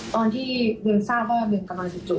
ตอนที่เวียงทราบว่าเวียงกำลังจะจบ